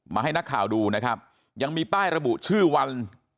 ให้นักข่าวดูนะครับยังมีป้ายระบุชื่อวัน